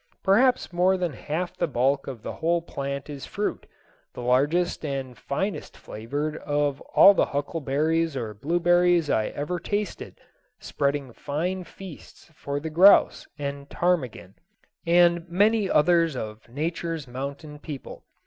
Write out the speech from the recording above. Perhaps more than half the bulk of the whole plant is fruit, the largest and finest flavored of all the huckleberries or blueberries I ever tasted, spreading fine feasts for the grouse and ptarmigan and many others of Nature's mountain people.